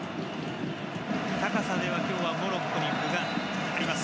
高さでは今日はモロッコに分があります。